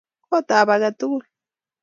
Kootap age tugul.